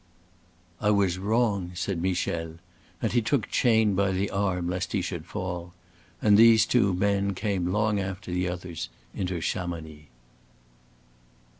"I was wrong," said Michel, and he took Chayne by the arm lest he should fall; and these two men came long after the others into Chamonix.